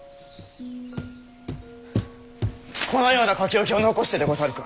このような書き置きを残してでござるか？